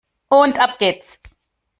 Und ab geht's!